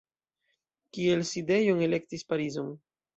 Kiel sidejon elektis Parizon.